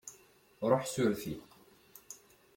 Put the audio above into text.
Ruḥ s urti.